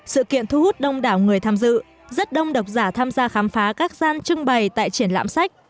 sự kiện thu hút đông đảo người tham dự rất đông độc giả tham gia khám phá các gian trưng bày tại triển lãm sách